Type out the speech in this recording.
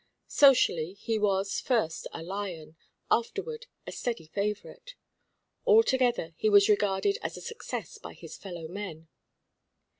Socially he was, first, a lion, afterward, a steady favourite. Altogether he was regarded as a success by his fellow men.